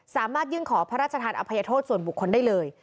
สามารถยื่นขอพระราชทานอภัยโทษส่วนบุคคลได้เลย